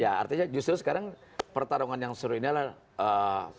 ya artinya justru sekarang pertarungan yang seru ini adalah ee